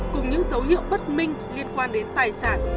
cùng những dấu hiệu bất minh liên quan đến tài sản